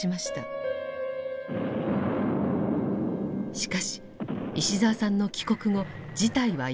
しかし石澤さんの帰国後事態は一変。